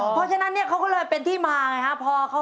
เพราะฉะนั้นเนี่ยเขาก็เลยเป็นที่มาไงครับ